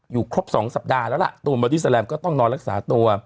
ครบ๒สัปดาห์แล้วล่ะตูนบอดี้แลมก็ต้องนอนรักษาตัว